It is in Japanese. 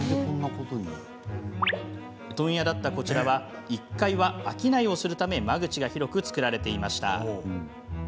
問屋だった、こちらは１階は商いをするため間口が広く作られていました。